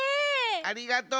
ありがとう。